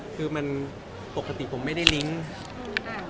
คือมันปกติผมไม่ได้ลิงก์